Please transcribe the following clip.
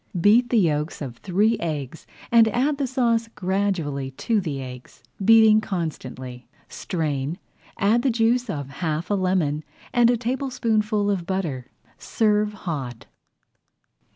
Beat the yolks of three eggs and add the sauce gradually to the eggs, beating constantly. Strain, add the juice of half a lemon and a tablespoonful of butter. Serve hot.